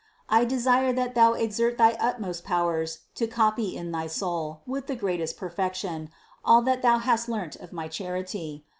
I desire that thou exert thy utmost powers to copy in thy soul, with the greatest perfection, all that thou hast learnt of my charity.